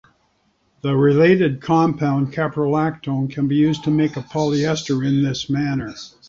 The related compound caprolactone can be used to make a polyester in this manner.